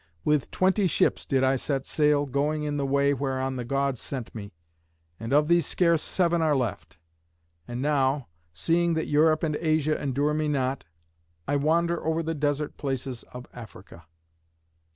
With twenty ships did I set sail, going in the way whereon the Gods sent me. And of these scarce seven are left. And now, seeing that Europe and Asia endure me not, I wander over the desert places of Africa."